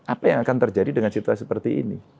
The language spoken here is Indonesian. apa yang akan terjadi dengan situasi seperti ini